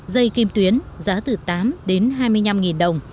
dây kim tuyến giá từ tám đến hai mươi năm đồng